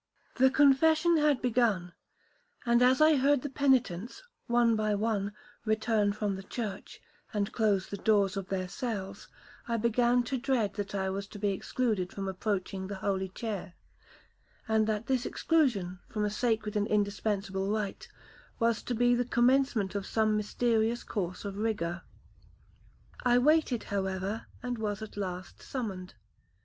'The confession had begun; and as I heard the penitents, one by one, return from the church, and close the doors of their cells, I began to dread that I was to be excluded from approaching the holy chair, and that this exclusion from a sacred and indispensible right, was to be the commencement of some mysterious course of rigour. I waited, however, and was at last summoned.